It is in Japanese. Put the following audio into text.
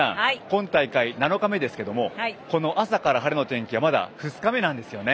今大会７日目ですけどもこの朝から晴れの天気はまだ２日目なんですよね。